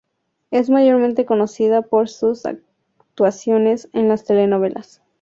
Es mayormente conocida por sus actuaciones en las telenovelas.